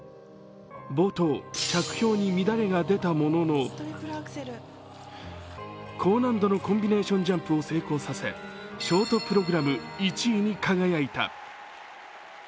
冒頭、着氷に乱れが出たものの高難度のコンビネーションジャンプを成功させショートプログラム１位に輝いた。